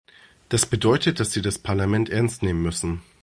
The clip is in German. Das bedeutet, dass sie das Parlament ernst nehmen müssen.